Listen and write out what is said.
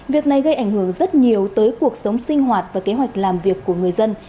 việc này gây ảnh hưởng rất nhiều tới cuộc sống sinh hoạt và kế hoạch làm việc của người dân